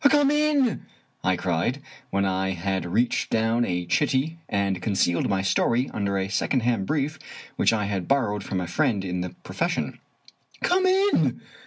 " Come in !" I cried, when I had reached down a Chitty and concealed my story under a second hand brief which I had borrowed from a friend in the profession. " Come in!